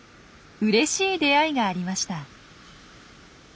うれしい出会いがありました。